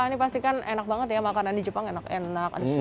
ini pasti kan enak banget ya makanan di jepang enak enak